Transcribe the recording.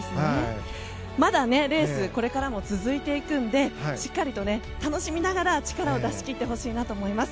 まだレースこれからも続いていくのでしっかりと楽しみながら力を出し切ってほしいなと思います。